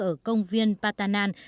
ở công viên patanan